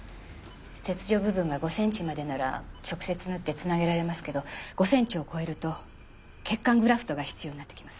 切除部分が５センチまでなら直接縫って繋げられますけど５センチを超えると血管グラフトが必要になってきます。